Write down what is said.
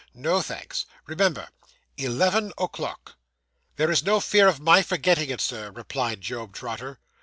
No thanks. Remember eleven o'clock.' 'There is no fear of my forgetting it, sir,' replied Job Trotter.